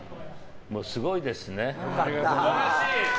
もう、すごいですね。